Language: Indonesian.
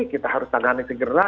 kita harus tangani segera